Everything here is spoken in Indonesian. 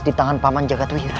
di tangan paman jagadwira